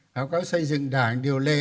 báo cáo xây dựng đảng điều lệ